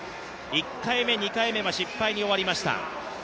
１回目、２回目は失敗に終わりました。